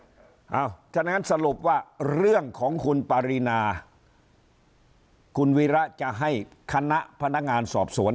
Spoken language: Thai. เพราะฉะนั้นสรุปว่าเรื่องของคุณปารีนาคุณวีระจะให้คณะพนักงานสอบสวน